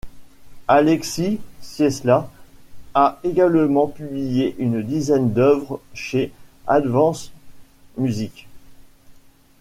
Alexis Ciesla a également publié une dizaine d'œuvres chez Advance Music.